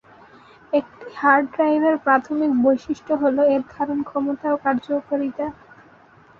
একটি হার্ড ড্রাইভের প্রাথমিক বৈশিষ্ট্য হল এর ধারণক্ষমতা ও কার্যকারিতা।